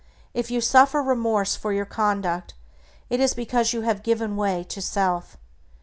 If you suffer remorse for your conduct, it is because you have given way to self.